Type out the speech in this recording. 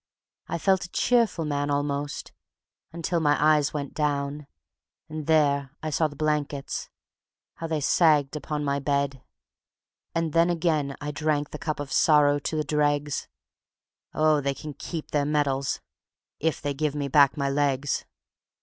I felt a cheerful man, almost, until my eyes went down, And there I saw the blankets how they sagged upon my bed. And then again I drank the cup of sorrow to the dregs: Oh, they can keep their medals if they give me back my legs.